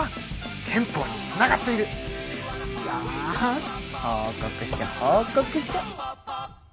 よし報告書報告書。